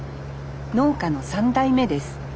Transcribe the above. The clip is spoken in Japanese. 農家の３代目です。